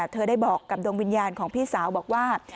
เธอได้บอกกับดวงวิญญาณของพี่สาวบอกว่า